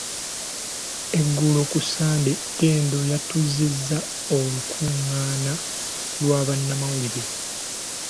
Eggulo ku Ssande, Tendo yatuuzizza olukung’aana lwa bannamawulire